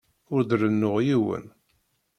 Ur d-rennuɣ yiwen.